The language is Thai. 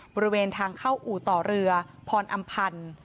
บริเวณทางเข้าอู่ต่อเรือพรอำพันธ์